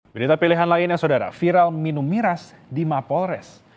berita pilihan lainnya saudara viral minum miras di mapolres